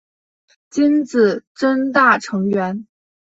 金子真大成员。